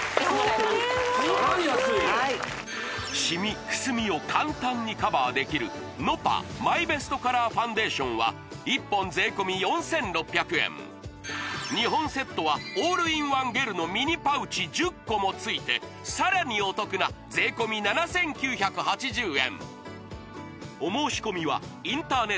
これは安いさらに安いシミくすみを簡単にカバーできるｎｏｐａマイベストカラーファンデーションは１本税込４６００円２本セットはオールインワンゲルのミニパウチ１０個もついてさらにお得な税込７９８０円